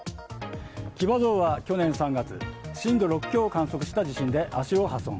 騎馬像は去年３月震度６強を観測した地震で足を破損。